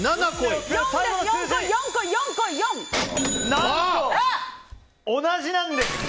何と同じなんです！